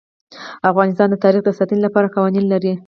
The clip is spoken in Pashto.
افغانستان د تاریخ د ساتنې لپاره قوانین لري.